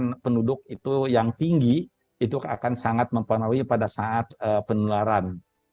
pertumbuhan penduduk itu yang tinggi itu akan sangat mempengaruhi pada saat penularan